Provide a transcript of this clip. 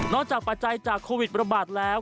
ปัจจัยจากโควิดระบาดแล้ว